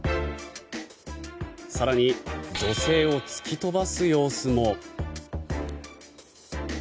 更に女性を突き飛ばす様子も。